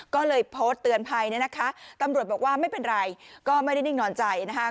ก็เลยโพสต์เตือนภัยเนี่ยนะคะตำรวจบอกว่าไม่เป็นไรก็ไม่ได้นิ่งนอนใจนะคะ